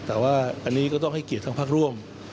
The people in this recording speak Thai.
แต่ว่าอันนี้ก็ต้องให้เกียรติทั้งพักร่วม